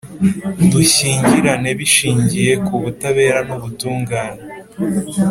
dushyingiranwe bishingiye ku butabera n’ubutungane,